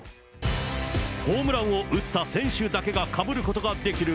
ホームランを打った選手だけがかぶることができる